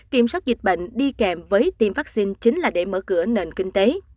kiểm soát dịch bệnh đi kèm với tiêm vaccine chính là để mở cửa nền kinh tế